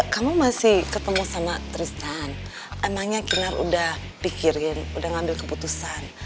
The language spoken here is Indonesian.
kamu masih ketemu sama tristan emangnya kinar udah pikirin udah ngambil keputusan